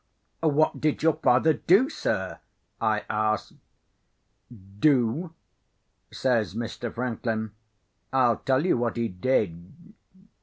"What did your father do, sir?" I asked. "Do?" says Mr. Franklin. "I'll tell you what he did.